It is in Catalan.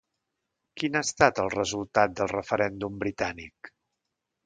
Quin ha estat el resultat del referèndum britànic?